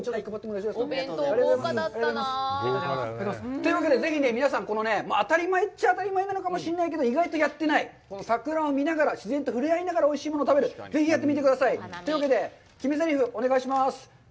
というわけでぜひ皆さんこの、当たり前っちゃ当たり前なのかもしれないけど、意外とやってない桜を見ながら、自然と触れ合いながらおいしいものを食べる、ぜひやってみてください。というわけで、決めぜりふ、お願いします。